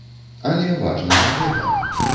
Але важна не гэта.